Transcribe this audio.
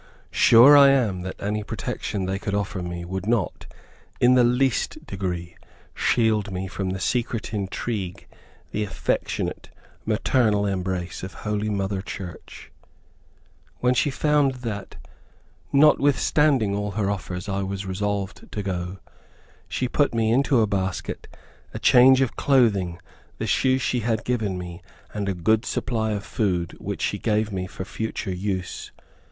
Sure I am, that any protection they could offer me, would not, in the least degree, shield me from the secret intrigue, the affectionate, maternal embrace of holy Mother Church. When she found that, notwithstanding all her offers, I was resolved to go, she put into a basket, a change of clothing, the shoes she had given me, and a good supply of food which she gave me for future use.